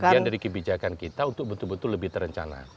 bagian dari kebijakan kita untuk betul betul lebih terencana